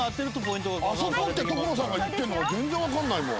「あそこ」って所さんが言ってるのが全然わからないもん。